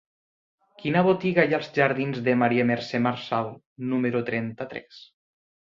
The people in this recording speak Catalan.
Quina botiga hi ha als jardins de Maria Mercè Marçal número trenta-tres?